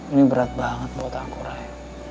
ini berat banget buat aku raya